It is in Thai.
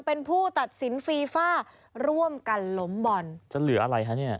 เป็นผู้ตัดสินฟีฟ่าร่วมกันล้มบอลจะเหลืออะไรคะเนี่ย